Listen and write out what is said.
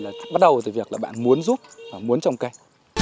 là bắt đầu từ việc là bạn muốn giúp và muốn trồng cây